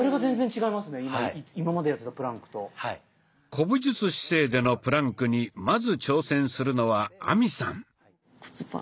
古武術姿勢でのプランクにまず挑戦するのは亜美さん。